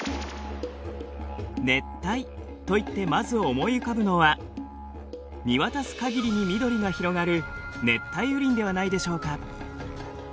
熱帯といってまず思い浮かぶのは見渡す限りに緑が広がる熱帯雨林ではないでしょうか。